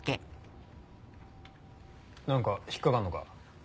なんか引っ掛かるのか？